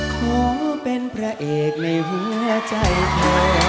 ขอเป็นพระเอกในหัวใจเธอ